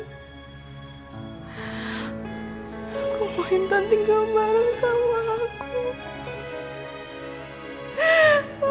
aku mau intan tinggal bareng sama aku